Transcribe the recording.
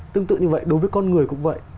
tương tự như vậy đối với con người cũng vậy